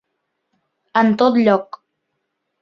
En tot lloc.